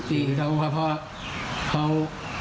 สิเขาว่าเพราะเขา